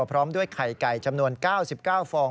พร้อมด้วยไข่ไก่จำนวน๙๙ฟอง